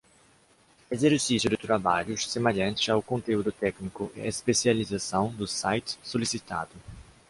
Exercício de trabalhos semelhantes ao conteúdo técnico e especialização do site solicitado.